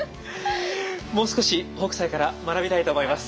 もう少し北斎から学びたいと思います。